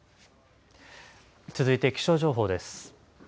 続いて気象情報です。